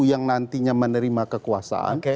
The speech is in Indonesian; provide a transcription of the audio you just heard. yang nantinya menerima kekuasaan